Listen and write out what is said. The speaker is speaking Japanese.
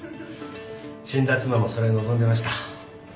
死んだ妻もそれを望んでました。